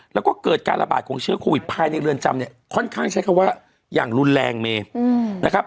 แล้วก็เกิดการระบาดของเชื้อโควิดภายในเรือนจำเนี่ยค่อนข้างใช้คำว่าอย่างรุนแรงเมนะครับ